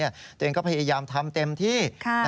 ตัวเองก็พยายามทำเต็มที่